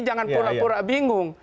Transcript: jangan pura pura bingung